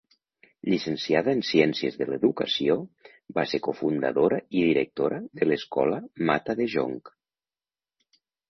Llicenciada en Ciències de l'Educació, va ser cofundadora i directora de l’escola Mata de Jonc.